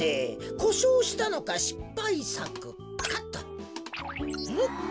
こしょうしたのかしっぱいさくかと。